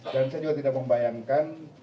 dan saya juga tidak membayangkan